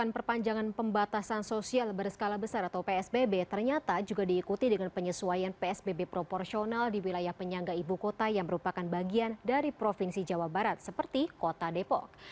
perpanjangan pembatasan sosial berskala besar atau psbb ternyata juga diikuti dengan penyesuaian psbb proporsional di wilayah penyangga ibu kota yang merupakan bagian dari provinsi jawa barat seperti kota depok